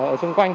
ở xung quanh